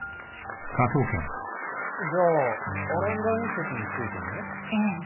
じゃあアランダ隕石についても？ええ。